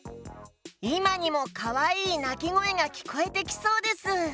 いまにもかわいいなきごえがきこえてきそうです。